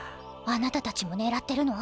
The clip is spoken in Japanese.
あなたたちもねらってるの？